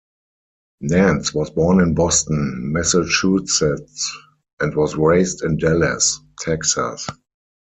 Nance was born in Boston, Massachusetts and was raised in Dallas, Texas.